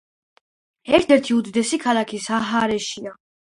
ერთ-ერთი უდიდესი ქალაქი საჰარაში.